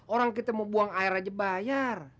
orang kita mau buang air aja bayar